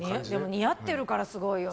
似合っているからすごいよね。